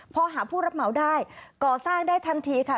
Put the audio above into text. พอหาผู้รับเหมาได้ก่อสร้างได้ทันทีค่ะ